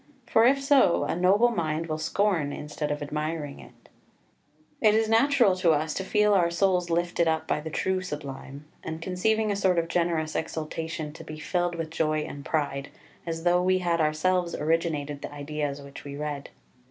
for if so, a noble mind will scorn instead of admiring it. 2 It is natural to us to feel our souls lifted up by the true Sublime, and conceiving a sort of generous exultation to be filled with joy and pride, as though we had ourselves originated the ideas which we read.